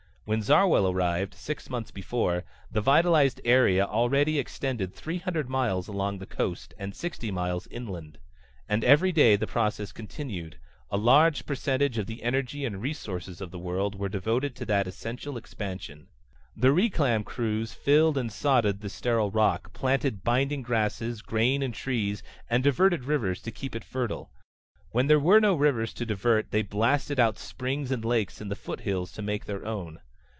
When Zarwell arrived, six months before, the vitalized area already extended three hundred miles along the coast, and sixty miles inland. And every day the progress continued. A large percentage of the energy and resources of the world were devoted to that essential expansion. The reclam crews filled and sodded the sterile rock, planted binding grasses, grain and trees, and diverted rivers to keep it fertile. When there were no rivers to divert they blasted out springs and lakes in the foothills to make their own.